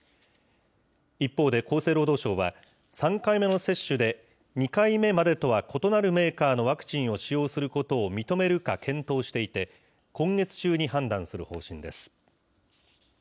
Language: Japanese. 一方で厚生労働省は、３回目の接種で、２回目までとは異なるメーカーのワクチンを使用することを認めるか検討していて、今月中に判断する方針です。